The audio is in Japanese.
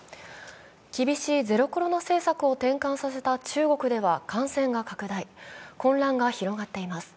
厳しいゼロコロナ政策を転換させた中国では感染が拡大、混乱が広がっています。